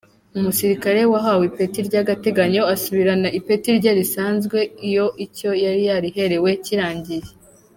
Umusirikare wahawe ipeti ry’agateganyo asubirana ipeti rye risanzwe iyo icyo yari yariherewe kirangiye.